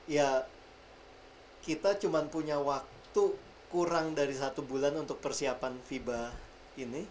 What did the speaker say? ya kita cuma punya waktu kurang dari satu bulan untuk persiapan fiba ini